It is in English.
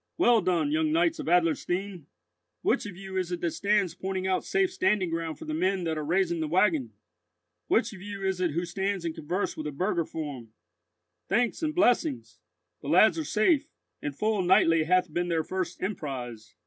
Well done, young knights of Adlerstein! Which of you is it that stands pointing out safe standing ground for the men that are raising the waggon? Which of you is it who stands in converse with a burgher form? Thanks and blessings! the lads are safe, and full knightly hath been their first emprise.